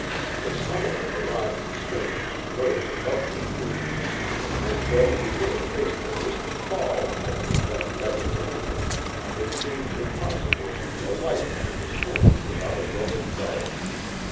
The summit of the rock he stood upon rose above the trees, and though he would have faced the risky fall had there been a better landing, it seemed impossible to alight among the stones without a broken leg.